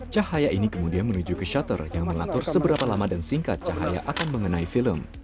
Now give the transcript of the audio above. cahaya ini kemudian menuju ke shutter yang mengatur seberapa lama dan singkat cahaya akan mengenai film